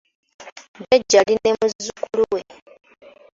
Jjajja ali ne muzzukulu we.